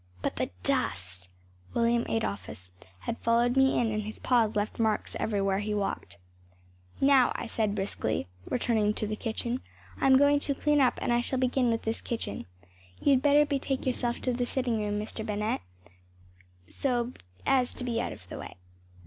But the dust! William Adolphus had followed me in and his paws left marks everywhere he walked. ‚ÄúNow,‚ÄĚ I said briskly, returning to the kitchen, “I’m going to clean up and I shall begin with this kitchen. You’d better betake yourself to the sitting room, Mr. Bennett, so as to be out of the way.